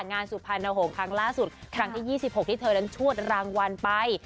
งานศุภานธนโหกครั้งลาดสุดครั้งที่ยี่สิบหกที่เธอกลั้นชวดรางวัลไป